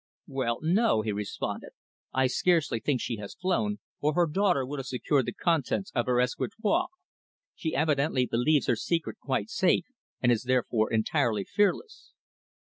"Well, no," he responded. "I scarcely think she has flown, or her daughter would have secured the contents of her escritoire. She evidently believes her secret quite safe, and is therefore entirely fearless."